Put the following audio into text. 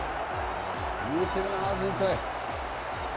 見えてるな、全体。